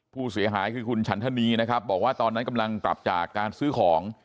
ผู้เสียหายคือคุณฉันธนีนะครับบอกว่าตอนนั้นกำลังกลับจากการซื้อของ